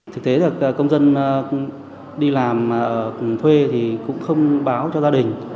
thực tế là công dân đi làm thuê thì cũng không báo cho gia đình